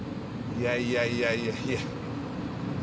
いやいやいやいやいや。